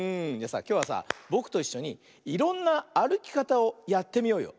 きょうはさぼくといっしょにいろんなあるきかたをやってみようよ。